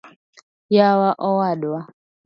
yawa owadwa